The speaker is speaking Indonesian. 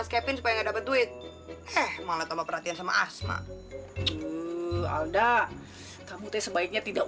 sampai jumpa di video selanjutnya